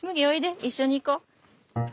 一緒に行こ。